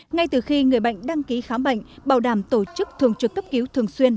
ngay từ khi người bệnh đăng ký khám bệnh bảo đảm tổ chức thường trực cấp cứu thường xuyên